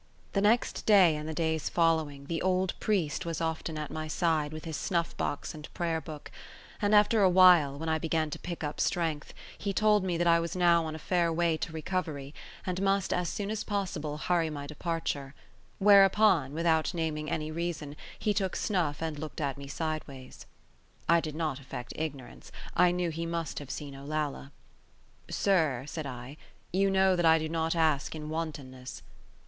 The next day and the days following the old priest was often at my side with his snuff box and prayer book, and after a while, when I began to pick up strength, he told me that I was now on a fair way to recovery, and must as soon as possible hurry my departure; whereupon, without naming any reason, he took snuff and looked at me sideways. I did not affect ignorance; I knew he must have seen Olalla. "Sir," said I, "you know that I do not ask in wantonness.